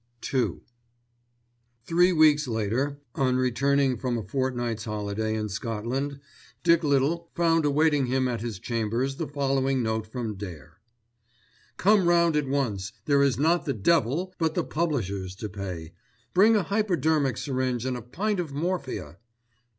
*II* Three weeks later, on returning from a fortnight's holiday in Scotland, Dick Little found awaiting him at his chambers the following note from Dare:— "Come round at once. There is not the Devil, but the publishers to pay. Bring a hypodermic syringe and a pint of morphia.